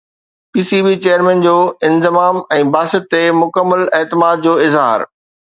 P C B chairman جو انضمام ۽ باسط تي مڪمل اعتماد جو اظهار